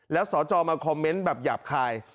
แล้วสจมาคอมเมนต์แบบหยาบคาย